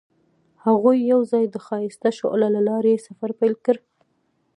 هغوی یوځای د ښایسته شعله له لارې سفر پیل کړ.